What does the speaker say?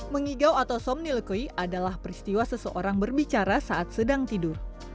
mengigau atau som nilkui adalah peristiwa seseorang berbicara saat sedang tidur